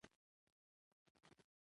د نارينه ذهنيت ښکارندويي کوي.